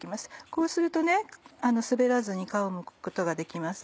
こうすると滑らずに皮をむくことができます。